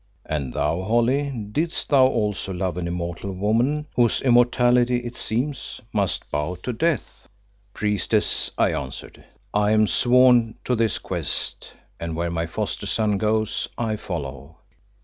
"And thou, Holly, didst thou also love an immortal woman whose immortality, it seems, must bow to death?" "Priestess," I answered, "I am sworn to this quest, and where my foster son goes I follow.